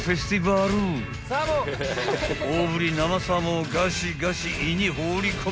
［大ぶり生サーモンをガシガシ胃に放り込む］